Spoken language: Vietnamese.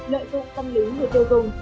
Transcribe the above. lợi dụng tâm lý người tiêu dùng